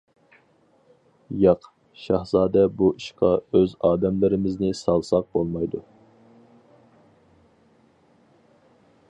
ياق، شاھزادە بۇ ئىشقا ئۆز ئادەملىرىمىزنى سالساق بولمايدۇ.